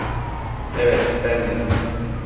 Evet, bendim.